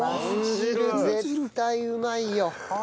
絶対うまいよ。